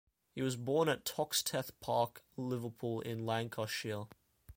He was born at Toxteth Park, Liverpool in Lancashire.